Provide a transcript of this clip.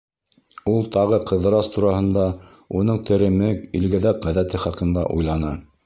Ул тағы Ҡыҙырас тураһында, уның теремек, илгәҙәк ғәҙәте хаҡында уйланы.